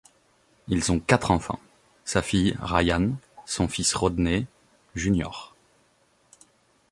Ils ont quatre enfants: sa fille Ryan, son fils Rodney, Jr.